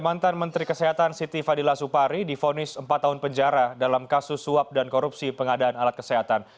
mantan menteri kesehatan siti fadila supari difonis empat tahun penjara dalam kasus suap dan korupsi pengadaan alat kesehatan